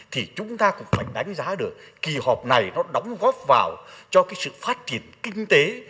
thì chúng ta cũng phải đánh giá được kỳ họp này nó đóng góp vào cho cái sự phát triển kinh tế